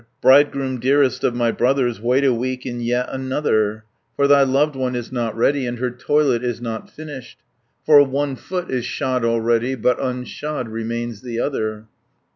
"Bridegroom, dearest of my brothers, Wait a week, and yet another, For thy loved one is not ready, And her toilet is not finished. For one foot is shod already, But unshod remains the other.